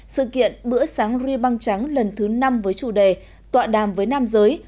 sự kiện bữa sáng riêng băng trắng lần thứ năm với chủ đề tọa đàm với nam giới